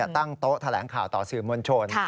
ตั้งโต๊ะแถลงข่าวต่อสื่อมวลชน